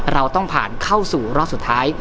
เราต้องผ่านเข้าสู่รอบสุดท้าย